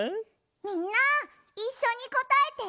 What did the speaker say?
みんないっしょにこたえて！